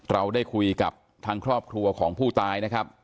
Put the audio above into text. เราได้คุยกับทางครอบครัวของผู้ตายนะครับ